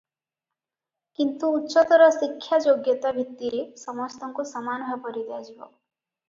କିନ୍ତୁ ଉଚ୍ଚତର ଶିକ୍ଷା ଯୋଗ୍ୟତା ଭିତ୍ତିରେ ସମସ୍ତଙ୍କୁ ସମାନ ଭାବରେ ଦିଆଯିବ ।